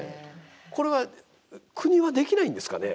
これは、国はできないんですかね。